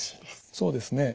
そうですね。